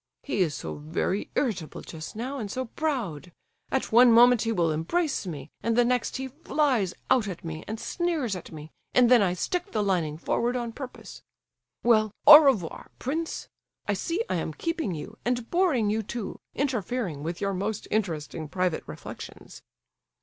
He is so very irritable just now, and so proud. At one moment he will embrace me, and the next he flies out at me and sneers at me, and then I stick the lining forward on purpose. Well, au revoir, prince, I see I am keeping you, and boring you, too, interfering with your most interesting private reflections."